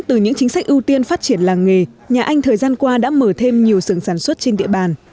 tuyên phát triển làng nghề nhà anh thời gian qua đã mở thêm nhiều sưởng sản xuất trên địa bàn